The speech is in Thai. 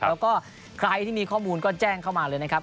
แล้วก็ใครที่มีข้อมูลก็แจ้งเข้ามาเลยนะครับ